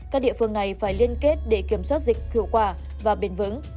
các địa phương này phải liên kết để kiểm soát dịch hiệu quả và bền vững